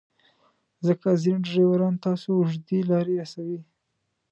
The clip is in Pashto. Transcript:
ځکه ځینې ډریوران تاسو اوږدې لارې رسوي.